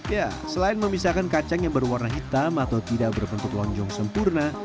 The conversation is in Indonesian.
ya selain memisahkan kacang yang berwarna hitam atau tidak berbentuk lonjong sempurna